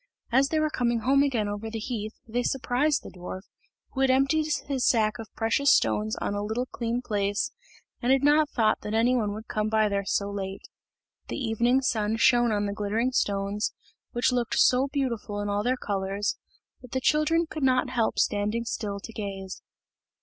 As they were coming home again over the heath, they surprised the dwarf, who had emptied his sack of precious stones on a little clean place, and had not thought that any one would come by there so late. The evening sun shone on the glittering stones, which looked so beautiful in all their colours, that the children could not help standing still to gaze.